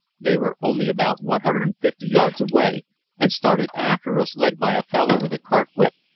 They were only about 150 yards away, and started after us led by a fellow with a cart whip.